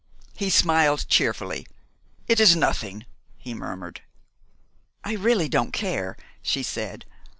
He smiled cheerfully. "It is nothing," he murmured. "I really don't care," she said.